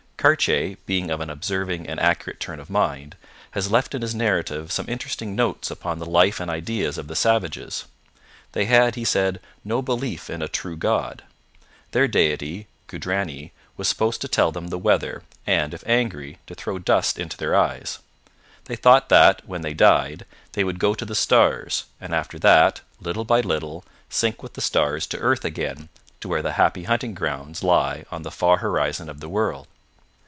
Cartier, being of an observing and accurate turn of mind, has left in his narrative some interesting notes upon the life and ideas of the savages. They had, he said, no belief in a true God. Their deity, Cudragny, was supposed to tell them the weather, and, if angry, to throw dust into their eyes. They thought that, when they died, they would go to the stars, and after that, little by little, sink with the stars to earth again, to where the happy hunting grounds lie on the far horizon of the world.